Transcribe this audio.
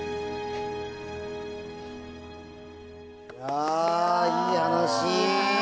ああいい話！